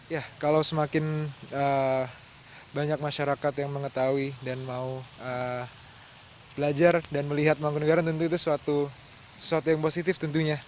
ya kalau semakin banyak masyarakat yang mengetahui dan mau belajar dan melihat mangkunegara tentu itu sesuatu yang positif tentunya